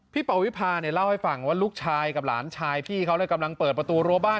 พี่เป่าวิภาเล่าให้ฟังว่าลูกชายกับหลานชายพี่เขากำลังเปิดประตูรถบ้าน